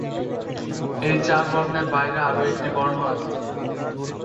এই চার বর্ণের বাইরে আরো একটি বর্ণ আছে।